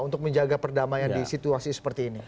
untuk menjaga perdamaian di situasi seperti ini